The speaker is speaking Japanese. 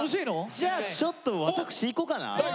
じゃあちょっと私いこうかな。